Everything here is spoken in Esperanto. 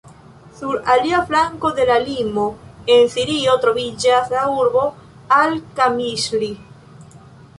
Sur alia flanko de la limo, en Sirio troviĝas la urbo al-Kamiŝli.